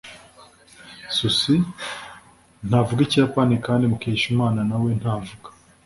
Susie ntavuga Ikiyapani kandi Mukeshimana na we ntavuga